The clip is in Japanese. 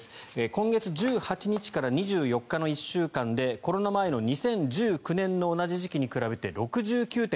今月１８日から２４日の１週間でコロナ前の２０１９年の同じ時期に比べて６９．５％。